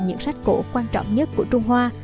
những sách cổ quan trọng nhất của trung hoa